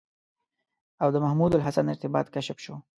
او د محمودالحسن ارتباط کشف شو.